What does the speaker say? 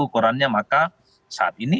ukurannya maka saat ini